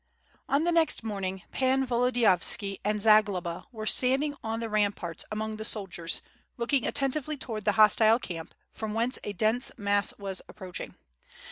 On the next morning Pan Volodiyavski and Zagloba were standing on the ramparts among the soldiers, looking atten tively towards the hostile camp, from whence a dense mass was approaching.